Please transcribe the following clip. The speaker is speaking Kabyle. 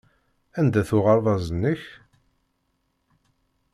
Anda-t uɣerbaz-nnek?